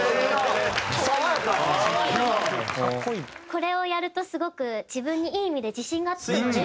これをやるとすごく自分にいい意味で自信がつくので。